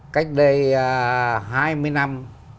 cách đây hai mươi năm